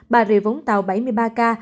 bà rịa vũng tàu bảy mươi ba ca